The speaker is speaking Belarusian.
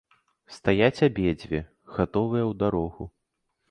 Стаяць абедзве, гатовыя ў дарогу.